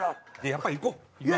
やっぱ行こう。